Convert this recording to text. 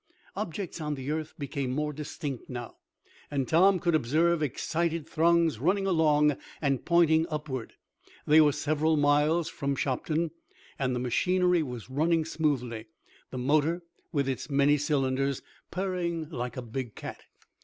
Objects on the earth became more distinct now, and Tom could observe excited throngs running along and pointing upward. They were several miles from Shopton, and the machinery was running smoothly; the motor, with its many cylinders purring like a big cat.